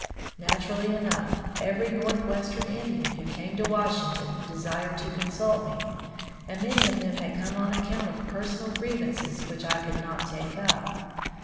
Naturally enough, every North western Indian who came to Washington desired to consult me, and many of them had come on account of personal grievances which I could not take up.